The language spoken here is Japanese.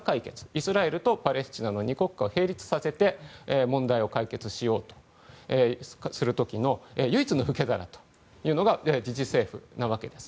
イスラエル、パレスチナの２国家を並立させて問題を解決しようとする時の唯一の受け皿というのがパレスチナ自治政府なわけです。